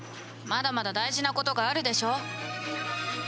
まだまだ大事なことがあるでしょ？